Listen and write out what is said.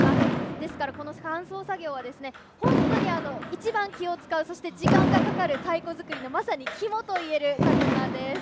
ですから、この乾燥作業は、本当にいちばん気を遣う、そして時間がかかる太鼓作りのまさにきもといえる作業なんです。